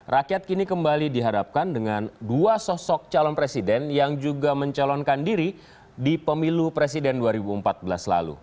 rakyat kini kembali dihadapkan dengan dua sosok calon presiden yang juga mencalonkan diri di pemilu presiden dua ribu empat belas lalu